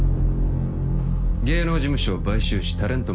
芸能事務所を買収しタレント